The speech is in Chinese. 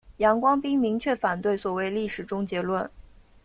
杨光斌明确反对所谓历史终结论。